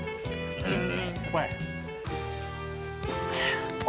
うん。